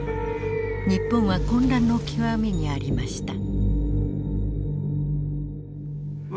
日本は混乱の極みにありました。